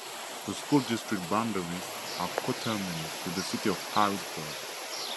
The school district boundaries are coterminous with the city of Harrisburg.